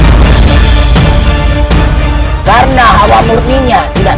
dan setelah anda temui di latar attractif